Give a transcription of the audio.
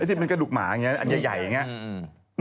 สิมันกระดูกหมาอย่างนี้อันใหญ่อย่างนี้